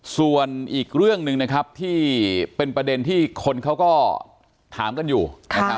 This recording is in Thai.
ส่วนอีกเรื่องหนึ่งนะครับที่เป็นประเด็นที่คนเขาก็ถามกันอยู่นะครับ